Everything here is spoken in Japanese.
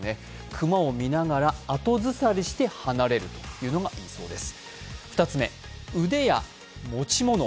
熊を見ながら後ずさりして離れるというのがいいそうです。